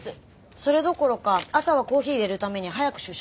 それどころか朝はコーヒーいれるために早く出社してますよ。